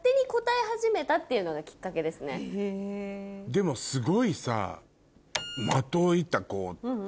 でもすごいさ。